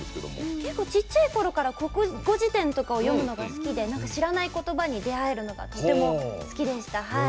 結構ちっちゃいころから国語辞典とかを読むのが好きで知らないことばに出会えるのがとても好きでした。